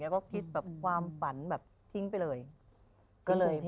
ก็คิดแบบความฝันแบบทิ้งไปเลย